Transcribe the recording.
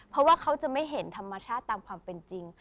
เพราะว่าเขาจะไม่เห็นธรรมชาติตามความเป็นจริง